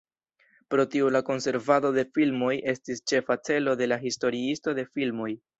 Pro tio la konservado de filmoj estis ĉefa celo de la historiistoj de filmoj.